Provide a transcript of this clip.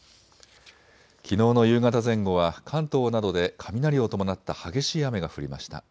きのうの夕方前後は関東などで雷を伴った激しい雨が降りました。